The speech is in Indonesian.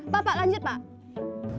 pak pak lanjut pak